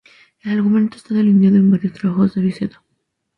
El argumento está delineado en varios trabajos de Avicena.